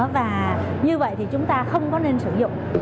và như vậy thì chúng ta không có nên sử dụng